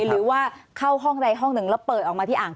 หรือว่าเข้าห้องใดห้องหนึ่งแล้วเปิดออกมาที่อ่าง